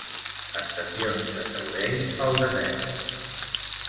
Estacions de servei al desert.